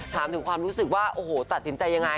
ถามถึงความรู้สึกว่าโอ้โหตัดสินใจยังไง